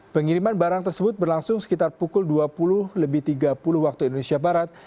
pengiriman barang tersebut berlangsung sekitar pukul dua puluh tiga puluh waktu indonesia barat